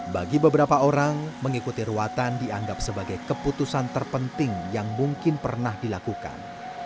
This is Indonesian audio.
bagi beberapa orang mengikuti ruatan dianggap sebagai keputusan terpenting yang mungkin pernah dilakukan